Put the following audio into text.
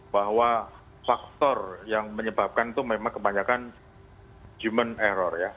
bahwa faktor yang menyebabkan itu memang kebanyakan human error ya